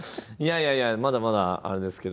いやいやまだまだあれですけど。